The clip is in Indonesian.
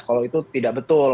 kalau itu tidak betul